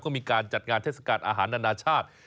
ก็มีการจัดงานเทศกาลอาหารนานาชาติ